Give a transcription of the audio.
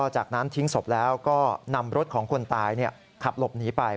จากนั้นทิ้งศพแล้วก็นำรถของคนตายขับหลบหนีไป